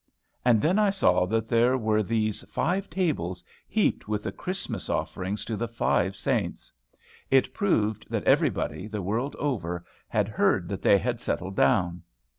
And then I saw that there were these five tables, heaped with the Christmas offerings to the five saints. It proved that everybody, the world over, had heard that they had settled down.